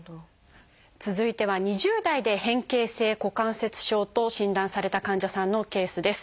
続いては２０代で変形性股関節症と診断された患者さんのケースです。